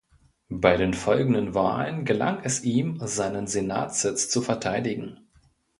Bei den folgenden Wahlen gelang es ihm, seinen Senatssitz zu verteidigen.